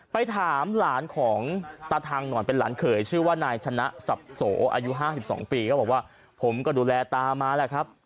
ไปถามหลานของตาทางหน่อยเป็นหลานเขยชื่อว่านายชนะสับโสอายุ๕๒ปีเขาบอกว่าผมก็ดูแลตามาแหละครับ